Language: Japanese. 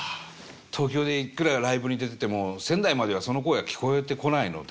東京でいくらライブに出てても仙台まではその声は聞こえてこないので。